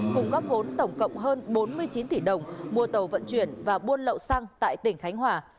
cùng góp vốn tổng cộng hơn bốn mươi chín tỷ đồng mua tàu vận chuyển và buôn lậu xăng tại tỉnh khánh hòa